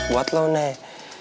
buat lo nek